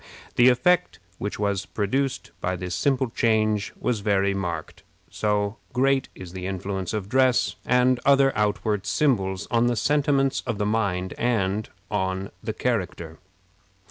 The effect which was produced by this simple change was very marked so great is the influence of dress and other outward symbols on the sentiments of the mind and on the character.